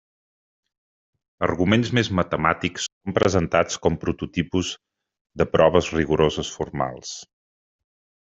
Arguments més matemàtics són presentats com prototipus de proves rigoroses formals.